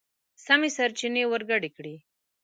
سمې سرچينې ورګډې کړئ!.